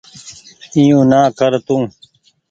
اي يو نا ڪر تو